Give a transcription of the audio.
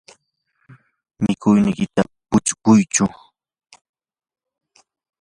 mikunaykita putskuychu.